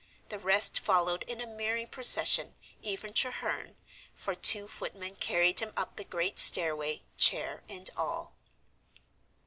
The rest followed in a merry procession, even Treherne, for two footmen carried him up the great stairway, chair and all.